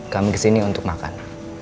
kami kesini untuk makan